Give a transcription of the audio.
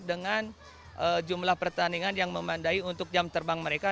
dengan jumlah pertandingan yang memandai untuk jam terbang mereka